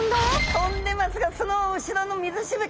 飛んでますがその後ろの水しぶき